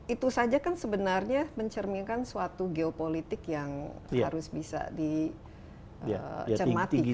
itu saja kan sebenarnya mencerminkan suatu geopolitik yang harus bisa dicermati